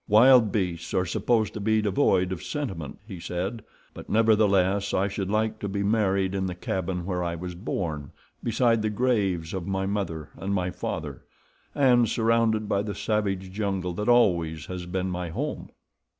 "Wild beasts are supposed to be devoid of sentiment," he said, "but nevertheless I should like to be married in the cabin where I was born, beside the graves of my mother and my father, and surrounded by the savage jungle that always has been my home."